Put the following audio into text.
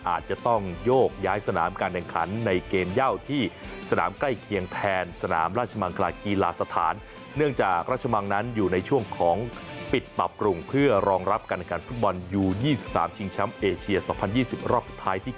อาจจะต้องโยกย้ายสนามการแขนขันในเกมย่าอุดที่